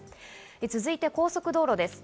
続いて高速道路です。